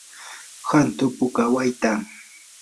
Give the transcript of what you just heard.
hantu puka wayta.